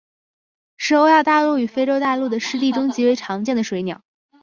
是欧亚大陆与非洲大陆的湿地中极为常见的水鸟。